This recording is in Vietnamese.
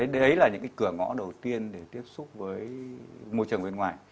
đấy là những cửa ngõ đầu tiên để tiếp xúc với môi trường bên ngoài